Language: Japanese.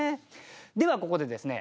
ではここでですね